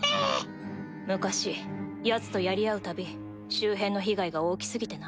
昔ヤツとやり合うたび周辺の被害が大き過ぎてな。